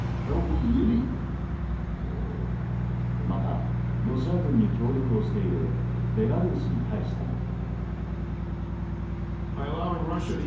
また、ロシア軍に協力をしているベラルーシに対しても。